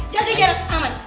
jaga jarak aman